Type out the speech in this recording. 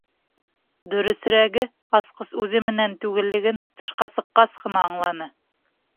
Дөрөҫөрәге, асҡыс үҙе менән түгеллеген тышҡа сыҡҡас ҡына аңланы.